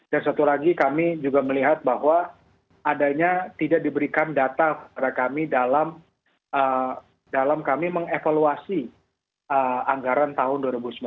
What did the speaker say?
dan satu lagi kami juga melihat bahwa adanya tidak diberikan data dari kami dalam kami mengevaluasi anggaran tahun dua ribu sembilan belas